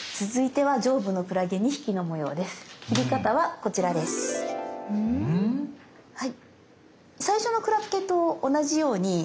はい。